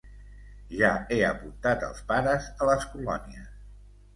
Ja he apuntat els pares a les colònies.